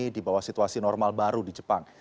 di bawah situasi normal baru di jepang